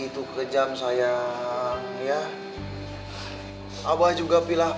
pasti ada abah aja lah yang mau sekolah